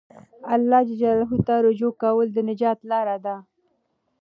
الله ته رجوع کول د نجات لاره ده.